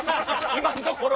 今のところ！